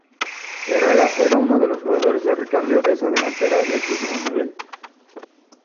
Herrera era uno de los jugadores de recambio de esa delantera de altísimo nivel.